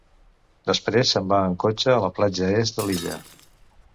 Després se'n va en cotxe a la platja est de l'illa.